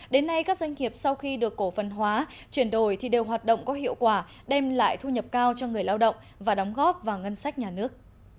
đến nay các doanh nghiệp sau khi được cổ phần hóa chuyển đổi thì đều hoạt động có hiệu quả đem lại thu nhập cao cho người lao động và đóng góp vào ngân sách nhà nước